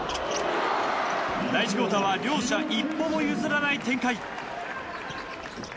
第１クオーターは両者、一歩も譲らない展開。